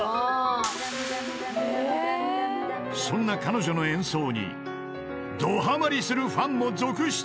［そんな彼女の演奏にどはまりするファンも続出］